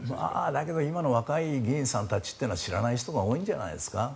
だけど今の若い議員さんたちっていうのは知らない人が多いんじゃないですか。